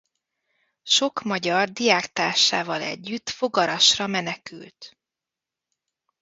Sok magyar diáktársával együtt Fogarasra menekült.